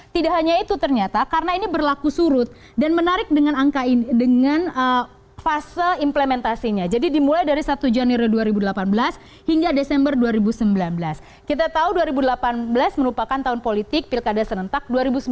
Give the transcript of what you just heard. jadi kita akan mulai dari satu jan dua ribu delapan belas hingga desember dua ribu sembilan belas kita tahu dua ribu delapan belas merupakan tahun politik pilkada senentak